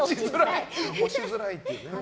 押しづらいっていう。